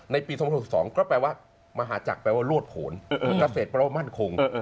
ปี๒๐๖๒ก็แปลว่ามหาจักรแปลว่ารวดผลเกษตรแปลว่ามั่นคง